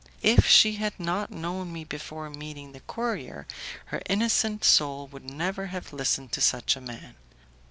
If she had not known me before meeting the courier, her innocent soul would never have listened to such a man.